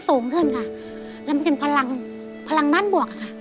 ถูกต้องครับ